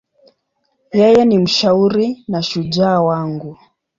Yeye ni mshauri na shujaa wangu.